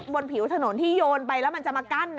บนผิวถนนที่โยนไปแล้วมันจะมากั้น